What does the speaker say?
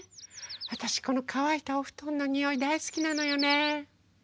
あたしこのかわいたおふとんのにおいだいすきなのよね。